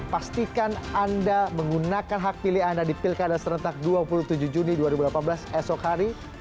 pastikan anda menggunakan hak pilih anda di pilkada serentak dua puluh tujuh juni dua ribu delapan belas esok hari